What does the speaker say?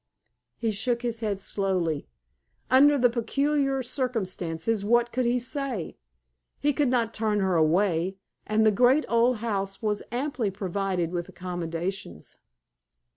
He shook his head slowly. Under the peculiar circumstances what could he say? He could not turn her away, and the great old house was amply provided with accommodations.